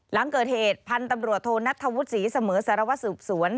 หลังเกิดเหตุพันธุ์ตำรวจโทนัทธวุฒิศรีเสมอสารวัสสืบสวน